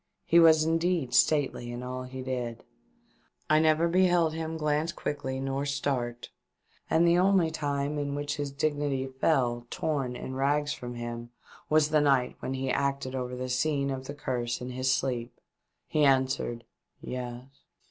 He was indeed stately in all he did. I never beheld him glance quickly nor start, and the only time in which his dignity fell, torn 460 THE DEATH SHIP. in rags from him, was that night when he acted over the scene of the Curse in his sleep. He answered, "Yes."